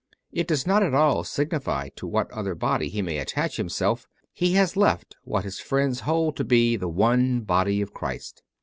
It does not at all signify to what other body he may attach himself : he has left what his friends hold to be the One Body of Christ.